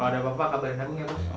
kalau ada apa apa kabarin agung ya bos